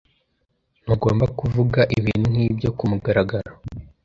Ntugomba kuvuga ibintu nkibyo kumugaragaro.